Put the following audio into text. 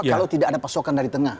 kalau tidak ada pasokan dari tengah